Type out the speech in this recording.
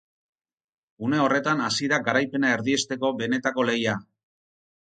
Une horretan hasi da garaipena erdiesteko benetako lehia.